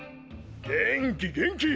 元気元気